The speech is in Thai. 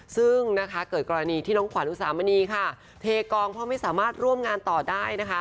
ซึ่งนะคะเกิดกรณีที่น้องขวัญอุสามณีค่ะเทกองเพราะไม่สามารถร่วมงานต่อได้นะคะ